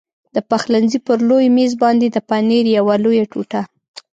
د پخلنځي پر لوی مېز باندې د پنیر یوه لویه ټوټه.